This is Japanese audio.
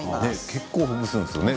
結構ほぐすんですね。